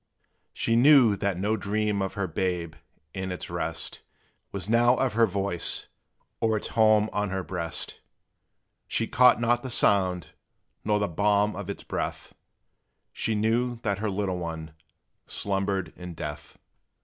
She knew that no dream of her babe, in its rest, Was now of her voice, or its home on her breast; She caught not the sound nor the balm of its breath: She knew that her little one slumbered in death!